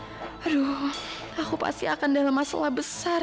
aduh aku pasti akan dalam masalah besar